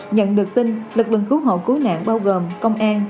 nhận được tin lực lượng cứu hộ cứu nạn bao gồm công an